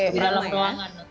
di dalam ruangan